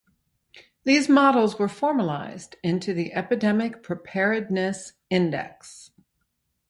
These models were formalized into the Epidemic Preparedness Index.